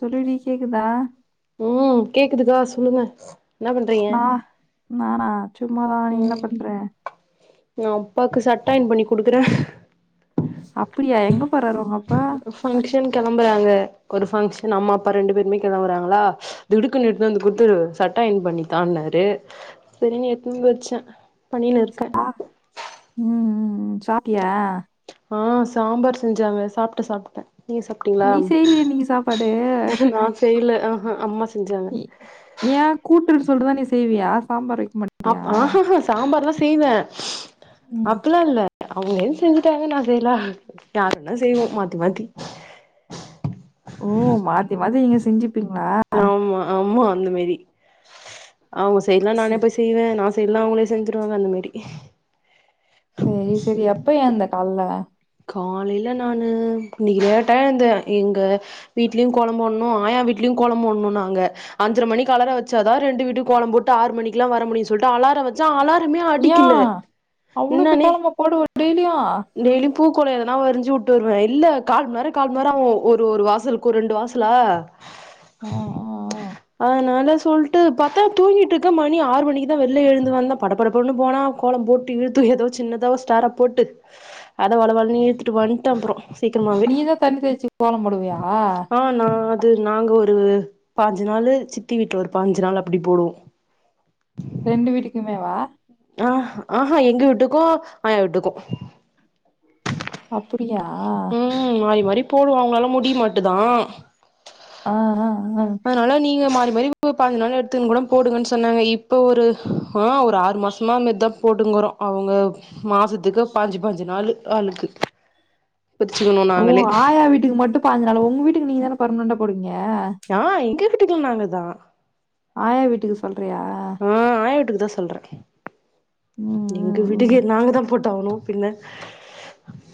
சொல்லுடி கேக்குதா ம் கேக்குதுக்கா சொல்லுங்க என்ன பண்றீங்க நா நானா சும்மாதா நீ இன்ன ம் பண்ற நா அப்பாக்கு சட்ட அய்ன் பண்ணி குடுக்குற அப்புடியா எங்க போறாரு ஒங்கப்பா பங்க்ஷன் கெளம்புறாங்க ஒரு பங்க்ஷன் அம்மா அப்பா ரெண்டு பேருமே கெளம்புறாங்களா திடுக்குன் எட்த்து வந்து குட்த்து சட்ட அயன் பண்ணிதான்னாரு செரின்னு எடுத்வந்து இங்க வச்ச சா ம் ம் சாப்டியா ஆ சாம்பார் செஞ்சாங்க சாப்ட்ட சாப்ட்ட நீ சாப் டிங்ளா நீ செய்யலையே இன்னைக்கு சாப்பாடு நா செய்ல அ ஹா அம்மா செஞ்சாங்க ஏ கூட்டுன் சொல்றுதா நீ செய்வியா சாம்பார் வக்கு மாட் அப் ஆ ஹா ஹா சாம்பார்லா செய்வ ம், அப்புல்லா இல்ல அவ்ங்கெது செஞ்சிட்டாகன் நா செய்ல யார் வேணாலு செய்வோ மாத்தி மாத்தி ஓ மாத்தி மாத்தி நீங்க செஞ்சுப்பிங்ளா ஆமா ஆமா அந்த மேரி அவ்ங்க செய்ல நானே சரி. போய்ஸ் செய்வே நா செய்ல்னா அவுங்குளே செஞ்சுருவாங்க அந்த மாரி செரி செரி எப்ப ஏந்த கால்ல காலேல நானு இன்னைக்கு லேட்டா எழ்ந்தே எங்க வீட்ல்யு கோலோ போட்ணு ஆயா வீட்ல்யு கோலோ போட்ணு நாங்க அஞ்சர மணிக்கு அலார வச்சாதா ரெண்டு வீட்டுக் கோலம் போட்டு ஆறு மணிக்லா வர முடியு சொல்ட்டு அலாரவ ச்ச அலாரமே அடிக்கில ஏன் அவ்வளவு போய் என்னானே கோலமா போடுவ டெய்லியும் ஆ, டெய்லியு பூக்கோலோ எதனா வரைஞ்சு வுட்டு வருவ இல்ல கால் மர கால் மர ஒரு ஒரு வாசலுக் ஒரு ரெண்டு வாசலா ஆ, ஆ அதனால சொல்ட்டு பாத்தா தூங்கிட்டு இருக்க மணி ஆறு மணிக்குதா வெள்லே எழுந்து வந்த படப்படபடன்னு போனா கோலம் போட்டு இழுத்து எதோ சின்னதா ஓ ஸ்டார போட்டு அத வளவளனு இழுத்துட்டு வந்ட்ட அப்றோ சீக்ரமாவே நீ தான் தண்ணி தேய்ச்சி கோலம் போடுவியா ஆ நா அது நாங்க ஒரு பாஞ்சு நாளு சித்தி வீட்ல ஒரு பாஞ்சு நாள் அப்டி போடுவோ ரெண்டு வீட்டுக்குமேவா ஆஹ் ஆஹா எங்க வீட்டுக்கு ஆயா வீட்டுக்கு அப்புடியா ம் மாறி மாறி போடுவோ அவங்களால முடியமாட்டுதா ஆ ஆ ஆ அதனால நீங்க மாரி மாரி பதினஞ்சு நாள் எடுத்துக்கன்னு கூட போடுங்கன்னு சொன்னாங்க இப்போ ஒரு அ ஒரு ஆறு மாசமா அந்மாரித்தா போட்டுங்கறோ அவ்ங்க மாசத்துக்கு பாஞ்சு பாஞ்சு நாளு ஆளுக்கு பிரிச்சுக்கணு ஓ நாங்களே ஆயா வீட்டுக்கு மட்டு பனஞ்சு நாளு உங்க வீட்டுக்கு நீங்க தான பர்மனென்டா போடுவீங்க ஆ எங்க வீட்டுக்குள் நாங்கதா ஆயா வீட்டுக்கு சொல்றியா ஆ ஆய வீட்டுக்கு தா சொல்றே ம் எங்க ம் வீட்டுக்கு ம் நாங்கதா போட்டாவனு பின்ன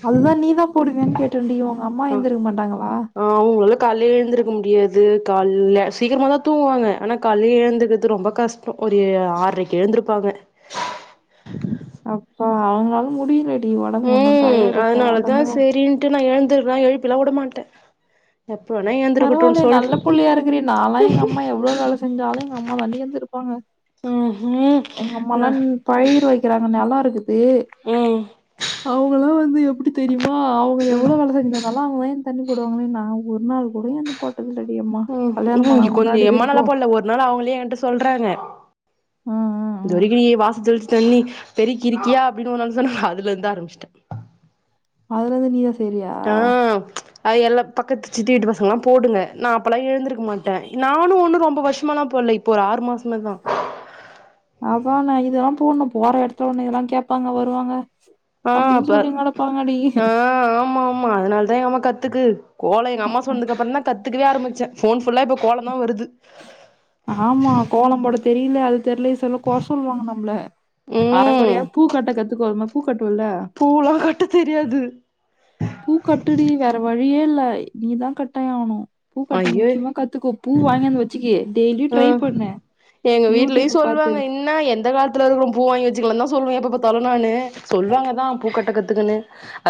அதுதா நீதா போடுவியான்னு கேட்டன்டி உங்க அம்மா எந்திருக மாட்டாங்களா ஆ அவ்ங்கள் ல கால்லே எழுந்திருக்க முடியாது கால்ல சீக்கிரமாதா தூங்குவாங்க ஆனா கால்ல எழ்ந்துக்கிறது ரொம்ப கஷ் அப்றோ ஒரு ஆற்ரைக்கு எழுந்திருப்பாங்க அப்பா அவங்களால முடியலடி ஒடம்பு ஒன்னு டயடு காலந்தா ட்டு நா எழுந்துருவ எழுப்பிலா வுடமாட்ட எப்போ வேணா எ பரவால்லேயே நல்ல புள்ளயா இருக்குறியே நாலா எங்க அம்மா எவ்ளோ வேல செஞ்சாலு எங்க அம்மாதான்டி எந்திருப்பாங்க ம் ஹூ எங்கம்மலன் பயிர் வைக்கறாங்க நெலோ இருக்குது ம் அவுங்கலா வந்து எப்டி தெரியுமா அவுங்க எவ்ளோ வேல செஞ்சாலு கால்லா அவ்ங்கதா ஏந் தண்ணி போடுவாங்கன்னே நா ஒரு நாள் கூட எந்து போட்டதில்லடி அம்மா ம் கல்யாணம் ம் ஆனா கொஞ்ச முன்னாடி எம்மா வரைக்கு நல்லா போல ஒரு நாள் அவங்களே என்ட்ட சொல்றாங்க ம் ம் ம் இதுவரைக்கு நீ வாச தொளிச்சு தண்ணி பெருக்கிருக்கியா அப்பின்னு ஒரு நாள் சொன்னாங்க அதுலருந்து ஆரம்பிச்ட்ட அதுலருந்து நீயா செய்றியா ஆ அது எல்லா பக்கத்து சித்தி வீட்டு பசங்கல்லா போடுங்க நா அப்பல்லா எழுந்திருக்க மாட் ட நானு ஒன்னு ரொம்ப வருஷாமால்லா போட்ல இப்போ ஒரு ஆறுமாசமாதா அதா நா இதல்லா போட்ணு போற எடத்துல ஒன்னு இதெல்லா கேப்பாங்க வருவாங்க ஆ அப்படின்னு பா சொல்லி கிடப்பாங்கடி. ஆ ஆமா ஆமா அதனால் தா எங்கம்மா கத்துக்கு கோலோ எங்க அம்மா சொன்துக்கு அப்றோதா கத்துக்கவே ஆரம்பிச்சே போன் ஃபுல்லா இப்போ கோலந்தா வருது ஆமா கோலம்போட தெரில அது தெர்லே சொல்ல கொற சொல்வாங்க நம்ப்ல அது ம் கொறையா பூக்கட்ட கத்துக்கோமா பூ கட்டுவோல்ல பூலா கட்ட தெரியாது பூ கட்டுடி வேற வழியே இல்ல நீதா கட்டயானு பூ கட்ட ஐயோ முக்கியமா கத்துகோ பூ வாங்கியாந்து கியே டெய்லி ட்ரை ம் பண்ணு யூடியூப்பு பாத்து நா எந்த காலத்துல இருக்கிறம் பூ வாங்கி வச்சுங்கலான் தா சொல்லுவே எப்ப பாத்தாலு நானு சொல்லுவாங்கதா பூ கட்ட கத்துக்கன்னு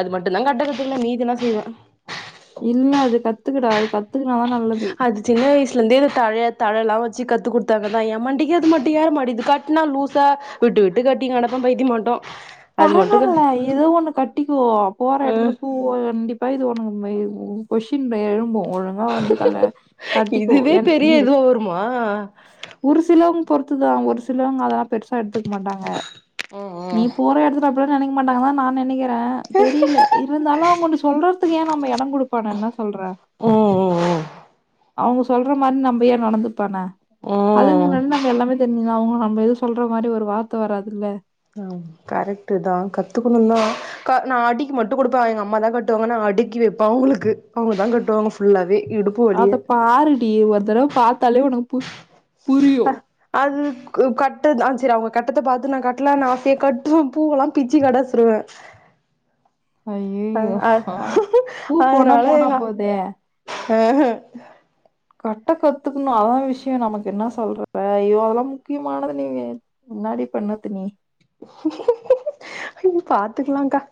அது மட்டுந்தான் கட்டறதுல்ல மீதின்னா செய்வே இன்மே அது கத்துக்கிற அது கத்துக்கனாதா நல்லது அது சின்ன வயசுலருந்தே தழ தழலாம் வச்சு கத்து குடுத்தாங்கதா ஏ மண்டிக்கு அது மட்டி ஏற மாட்டியிது கட்னா லூஸா விட்டு விட்டு கட்டிங்கடப்ப பைத்தியமாட்டம் பரவாயில்ல ஏதோ ஒண்ணு கட்டிக்குவோ போற ஆ எடத்துல பூ போய் கண்டிப்பா இது ஒன் எழும்பும் கொஷின் எழும்பும் ஒழுங் அப்பா ஒத்துக்கல கட்டிக்கோ இதுவே என் பெரிய நீ இதுவா வருமா ஒரு சிலவங்க பொறுத்துதா ஒரு சிலவங்க அதெல்லா பெருசா எடுத்துக்க மாட்டாங்க ம் நீ ம் போற எடத்துல அப்டில்லா நெனைக்க மாட்டாங்க தா நா நெனைக்கிறே தெரியல இருந்தாலு அவங்க ஒன்னு சொல்ற துக்கே இப்ப ஏ நம்ம எடம் குடுப்பான என்ன சொல்ற ம் அவங்க சொல்ற மாதிரி நம்ப ஏ நடந்துப்பான ம் அதுக்கு முன்னாடி நம்ம எல்லாமே தெரிஞ்சதுனா அவங்க நம்ம எது சொல்ற மாரி ஒரு வார்த்த வராதுல்ல கரெக்ட் தா கத்துக்கணு தா கா நா அடிக்கு மட்டு கொடுப்பே எங்க அம்மா தா கட்டுவாங்க நா அடிக்கி வைப்பே அவுங்ளுக்கு அவுங்க தா கட்டுவாங்க ஃபுல்லாவே இடும் அத பாருடி ஒர் தடவ பாத்தாலே உனக்கு பு புரியு அது கட்ட ஆ சரி அவங்க கட்ரத பாத்து நான் கட்டலான் ஆசையா கட்டுவே பூவெல்லா பிச்சு கடாசிருவே அ அய்யய்யோ அ ஹா பூ போனா போனா போதே ஹ ஹே கட்ட கத்துகுணு அதா விஷ்யோ நமக்கு என்ன சொல்றது ஐயோ அதெவ்லா முக்கியமானது நீய் முன்னாடி பண்ணது நீ ம் பாத்துக்லா கா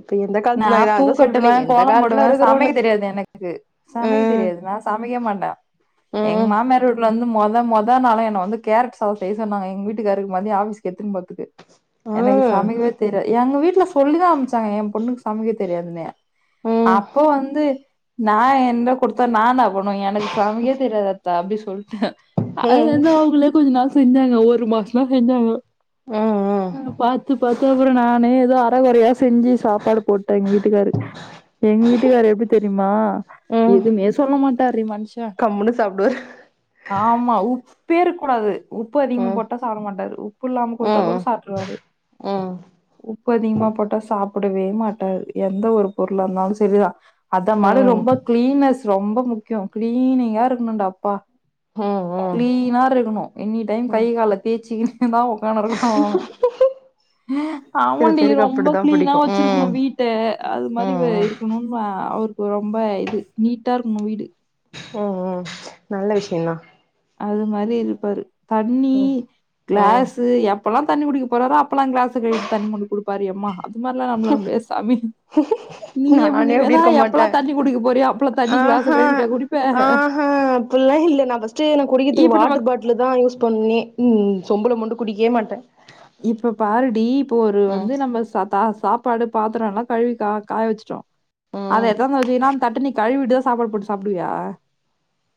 இப்ப எந்த காலத்து நா நான் தா பூ அதான் சொல்றனே எந்த காலத்துல இருக்கறோன்னு இது சமைக்க தெரியாது நா சமைக்க மாட்டே எங்க ம் மாம்யார் வீட்ல வந்து மொத மொத நாளே நா வந்து கேரட் சாதோ செய் சொன்னாங்க எங்க வீட்டுக்காருக் மதியம் ஆபிஸ்க்கு எடுத்துன்போறதுக்கு எனக்கு ம் சமைக்கவே தெரியாது எங்க வீட்டுல சொல்லிதான் அன்பிச்சாங்க எ பொண்ணுக்கு சமைக்க தெரியாதுன்னு ம் அப்போ வந்து நான் என்ட குடுத்தா நா என்னா பண்ணுவே எனக்கு சமைக்க தெரியாது அத்த அப்டி சொல்ட்டே அதுல ம் ம் இருந்து அவங்களே கொஞ்ச நாள் செஞ்சாங்க ஒரு மாசம்லா செஞ்சாங்க ம் அ பாத்து பாத்து அப்பறம் நானே எதோ அரகுறையா செஞ்சு சாப்பாடு போட்டாங் வீட்டுக்காரு எங்க வீட்டுக்கார் எப்டி தெரியுமா எதுமே சொல்ல மாட்டார் டி மனுஷ கம்முன்னு சாப்டுவாரு ஆமா உப்பே இருக்க கூடாது உப்பு அதிகமா ம் போட்டா சாப்ட மாட்டாரு உப்பு இல்லாம குடுத்தா ம் கூட ம் சாப்ட்ருவாரு ம் உப்பு அதிகமா போட்டா சாப்பிடவே மாட் டாரு எந்த ஒரு பொருளாருந்தாலு சரிதா அத மாதிரி ம் ரொம்ப க்ளீன்னஸ் ரொம்ப முக்கியோ கிளீனிங்கா இருக்கணும்டா அப்பா ம் கிளீனா இருக்கணு எனி டைம் கை ம் கால தேச்சுகின் ன்னுதா ஒக்கானிருக்கணும் ஓன்ன சில ஆமாண்டி பேருக்கு ரொம்ப அப்டித்தா கிளீனா புடிக்கு வச்சிருக்கணு ம் வீட் ட்ட அது மாரி வே ம் ம் இருக்கனுனா அவருக்கு ரொம்ப இது நீட்டா இருக்கனு வீடு ஓ ஓ நல்ல விஷியந்தா அது மாரி இருப்பாரு தண்ணி ம் ம் கிளாஸ்சு எப்பல்லா தண்ணி குடிக்க போறாரோ அப் பலா கிளாஸ கழிவிட்டு தண்ணி மொண்டு குடுப்பாரியம்மா அது மாரிலா நம்மளாள முடியாது சாமி நீ எப்டி நானே அப்டி வேனா இருக்க எப்பல்லா மாட்டே தண்ணி குடிக்க போறியா அப்பல்லா தண்ணி கிளாச கழுவிட்டா குடிப்ப ஹா அப்பில்லா இல்ல நா ஃபஸ்டு எனக் குடிக்கிறதுக்கு இப்ப நம்ம வாட்டர் பாட் டில தா யூஸ் பண்ணி ம் சொம்புள மொண்டு குடிக்கவே மாட்டே இப்ப பாருடி இப்போ ஒரு ம் வந்து நம்ம ச தா சாப்பாடு பாத்தரோ எல்லா கழுவி கா காய வச்சுட்டோ அத ம் [unintelligible] தொவச்சீனா அந்த தட்ட நீ கழுவிட்டு தா சாப்பாடு போட்டு சாப்டுவியா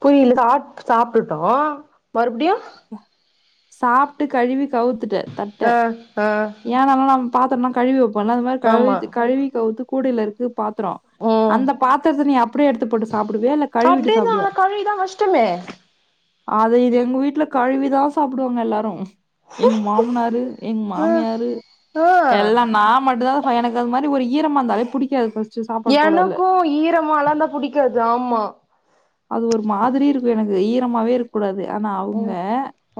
புரியல சா சாப்ட்டுட்டோ மறுபடியு சாப்ட்டு கழுவி கவுத் ஆ ஆ ஏனாலா நம் பாத்தரம்னா கழுவி வப்போல அது மாரி ஆமா கழுவிட்டு கழுவி கவுத்து கூடைல இருக்கு பாத்ரோ ம் அந்த பாத்தரத்த நீ அப்டியே எடுத்துப்போட்டு சாப்டுவியா இல்ல கழுவிட்டு சாப்டுவியா ட்டுமே அத இது எங்க வீட்ல கழுவிதா சாப்டுவாங்க எல்லாரு எங்க மாமனாரு எங் ஆ மாமியாரு ஆ எல்லா நா மட்டு தா எனக்கு அது மாரி ஒரு ஈரமா இருந்தாலே புடிக்காது ஃபஸ் எனக்கு ஈரமாலாந்தா புடிக்காது ஆமா அது ஒரு மாதிரி இருக்கு எனக்கு ஈரமாவே இருக்க கூடாது. ஆனா அவுங்க ம்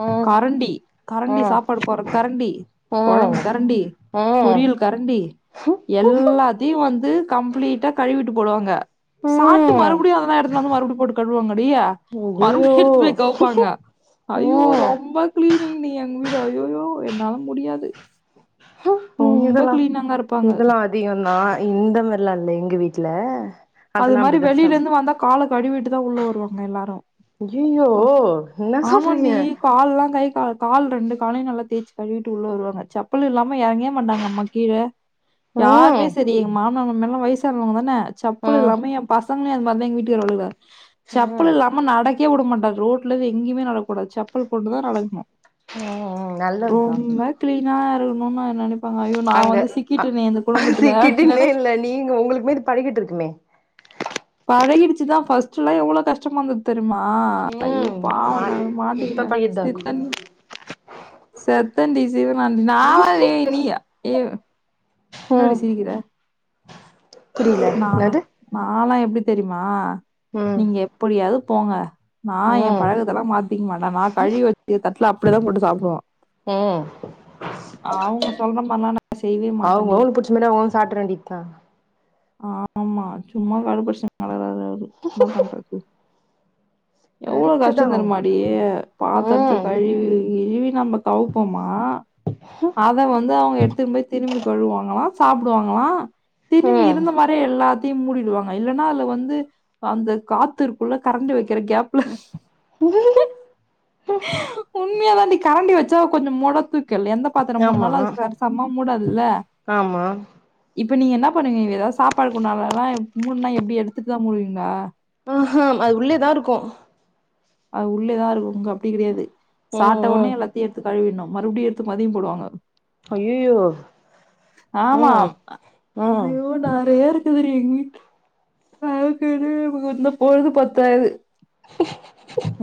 ம் கரண்டி கரண்டி ம் சாப்பாடு போற கரண்டி ம் கொழம்பு கரண்டி ம் பொரியல் கரண்டி எல்லாத்தையு வந்து கம்ப்ளீட்டா கழுவிட்டு போடுவாங்க. சாப்ட்டு ம் மறுபடியு அததா எடுத்துட்டு வந்து மறுபடியு போட்டு கழுவாங்கடி ஐயோ மருபடி எடுத்து போய் கவுப்பாங்க ஐயோ ம் ரொம்ப கிளீனிங் டி எங்க வீடு ஐயயோ என்னால முடியாது ம் ரொம்ப இதெல்லா கிளீனாங்க இருப்பாங்க இதெல்லா வியு நா இந்த மாரிலா இல்ல எங்க வீட்ல அது அதெல்லா மாரி அப்டிதா வெளியில சாப் இருந்து வந்தா கால கழுவிட்டுதா உள்ள வருவாங்க எல்லாரு ஐய்யயோ என்னா சொல்றீங்க கால்லா கை கா கால் கால் ரெண்டு காலையு நல்லா தேச்சி கழுட்டு உள்ளே வருவாங்க செப்பல் இல்லாம எறங்கவே மாட்டாங்க அம்மா கீழ யாருமே ம் செரி எங்க மாமனார் மாமியார்லா வயசானவங்க தான செப்பல் ம் இல்லாம எ பசங்களே அது மார்தா எங்க வீட்டுகார் உள்ள இருக்கறார் செப்பல் ம் இல்ல நம்ம நடக்கவே வுட மாட்டாரு ரோட்டலந்து எங்கியுமே நடக்க கூடாது செப்பல் போட்டுதா நடக்கணு ம் ம் நல்லது தா அது கிளீனா இருக்கணுன் நா நெனப் அங்க அ அப்டின்னு நென சிக்கிட்டுனே இல்ல நீங்க உங்களுக்குமே அது பழகிட்டு இருக்குமே பழகிடுச்சுதா ஃபஸ்ட்லா எவ்ளோ கஷ்டமாந்தத் தெரியுமா ஐயோ ம் பாவ நானு இப்ப மாட்டிகினே படிக்கட்டுதா சிர் இருக்கு தண்ணி செத்தான்டி சிவனான்டி நா நீ நீயா ஏ என்னடி ம் சிரிக்கிற புரியல நா என்னது நாலா எப்டி தெரியுமா ம் நீங்க எப்டியாவது போங்க நா எ ம் பழக்கத்தெல்லா மாத்திக்க மாட்டே நா கழுவி வச்ச தட்டுல அப்படியே தா போட்டு சாப்டுவ ம் அவுங்க சொல்ற மார்லா நா செய்வே மாட்ட டி இல்லனா ஒ சாப்ட்ற வேண்டி தா ஆமா சும்மா கடுபடிச்ட்டு கெடக்கறாரு என்ன பண்றது எவ்வளோ கரெக்ட் கஷ்டோ தா தெரிமா டி பாத்திரத்த ம் கழுவி ககிழுவி நம்ம தொவப்போமா அத வந்து அவங்க எடுத்துன் போய் திருப் திரும்பி தொழுவாங்களா சாப்டுவாங்களா திரும்பி ம் இருந்த மாரியே எல்லாத் யு மூடிடுவாங்க இல்ன்னா அதுல வந்து அந்த காத்து இருக்குள்ள கரண்ட்டு வைக்கிற கேப்ல [unintelligible] உண்மையா தாண்டி கரண்டி வச்சா கொஞ்சோ மொட தூ க்கல் எந்த பாத்துரம் ஆமா மூட்னாலு அது சரி சம மூடாதுல்ல ஆமா இப்ப நீங்க என்ன பண்ணுங்க ஏதா சாப்பாடு குன்டான்லலா மூட்னா எப்டி எடுத்துட்டு தா மூடுவீங்களா அது உள்ளேதா இருக்கு அது உள்ளேதா இருக்கு உங்க அப்டி கிடையாது ம் சாப்ட ஒட்னே ம் எல்லாத்தையு எடுத்து கழுவினு மறுபடியு எடுத்து மதியம் போடுவாங்க ஐயயோ ஆமா ம் ம் ஐயோ நெறைய இருக் கு எங் வீட் [unintelligible] பொழுது பத்தாது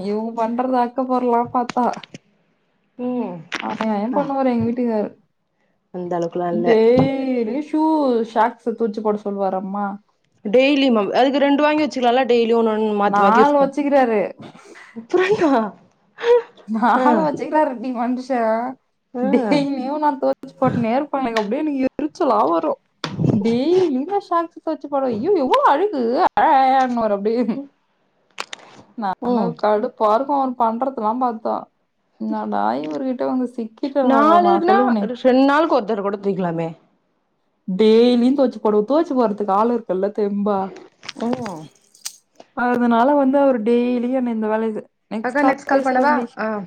இவுங்க பண்றது அக்க போர்லா பாத்தா ம் ஆ அயன் அ பண்ண வறே எங்க வீட்டுக்காரு அந்த அளவுக்குலா இல்ல இது இரு ஷூ ஷாக்ஸ் துவச்சு போட சொல்லுவாரம்மா டெய்லிம் அது ரெண்டு வாங்கி வச்சுக்கலால டெய்லி ஒண்ணு ஒன்னு மாத்தி மாத்தி நாலு யூஸ் பண் வச்சுக்கிறாரு அப்டிய்யா நாலு வச்சுக்காருடி மனுஷ ஆ ம் டெய்லியு நா தோச்சு போட்டுனே இருப்ப எனக்கு அப்டியே எனக்கு எரிச்சலா வரு டெய்லியு நா ஷாக்ஸ் தொவச்சு போடுவ ஐய்யோ எவ்ளோ அழுக்கு அ அ அ ம்பாரு அப்டியு ம் நம்மளுக்கு கடுப்பா இருக்கு அவரு பண்றதுல்லா பாத்தா என்னடா இவருகிட்ட வந்து சிக்கி நாலுன்னா ரெண்டு நாளுக்கு ஒருத்தர கூட தொய்க்கலாமே டெய்லியு தொவச்சு போடுவ தொவச்சு போட்றதுக்கே ஆல் இருக்குல்ல தெம்பா ம் அதனால வந்து அவர் டெய்லியு என்ன இந்த வேல இது அக்கா நெக்ஸ்ட் கால் பண்ணவா பேசுறண்டி ஆ